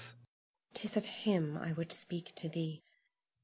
'Tis of him I would speak to thee.